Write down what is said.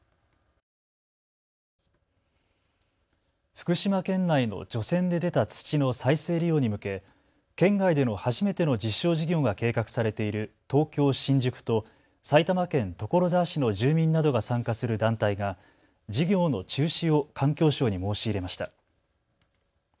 福島県内の除染で出た土の再生利用に向け県外での初めての実証事業が計画されている東京新宿と埼玉県所沢市の住民などが参加する団体が事業の中止を環境省に申し入れました。